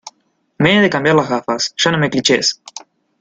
Me he de cambiar las gafas, ya no me clichés.